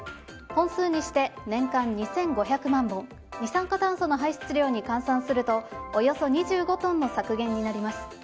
本数にして年間２５００万本二酸化炭素の排出量に換算するとおよそ２５トンの削減になります。